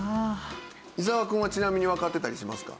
伊沢くんはちなみにわかってたりしますか？